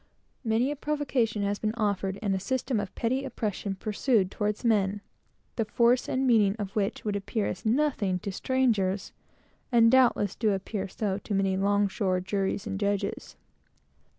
Many a provocation has been offered, and a system of petty oppression pursued towards men, the force and meaning of which would appear as nothing to strangers, and doubtless do appear so to many "'long shore" juries and judges.